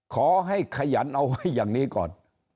ขยันเอาไว้อย่างนี้ก่อน